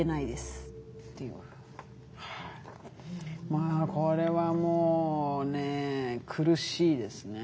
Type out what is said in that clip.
まあこれはもうね苦しいですね。